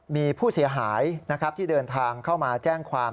มีผู้เสียหายนะครับที่เดินทางเข้ามาแจ้งความ